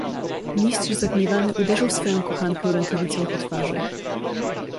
"Mistrz zagniewany uderzył swoją kochankę rękawicą po twarzy."